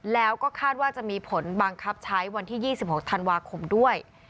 แล้วก็คาดว่าจะมีผลบังคับใช้วันที่๒๖ธันวาคมด้วย